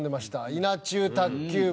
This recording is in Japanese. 『稲中卓球部』。